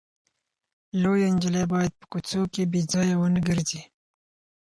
لويه نجلۍ باید په کوڅو کې بې ځایه ونه ګرځي.